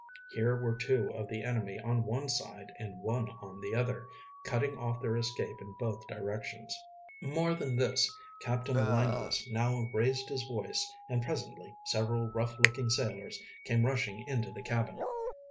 Here were two of the enemy on one side and one on the other, cutting off their escape in both directions. More than this, Captain Langless now raised his voice, and presently several rough looking sailors came rushing into the cabin.